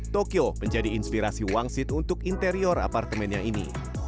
tokyo menjadi inspirasi wangsit untuk interior apartemennya ini